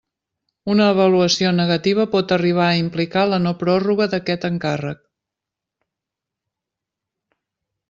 Una avaluació negativa pot arribar a implicar la no-pròrroga d'aquest encàrrec.